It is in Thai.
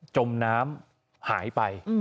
จมน้ำหายไป